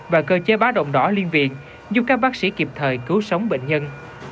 và cơ chế bá động đỏ liên viện giúp các bác sĩ kịp thời cứu sống bệnh nhân